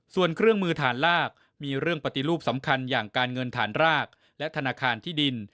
ส่วนเครื่องมือฐานลากมีเรื่องปฏิรูปสำคัญอย่างการเงินฐานรากและธนาคารที่ดิน